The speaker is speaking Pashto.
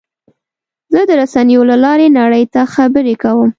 زه د رسنیو له لارې نړۍ ته خبرې کوم.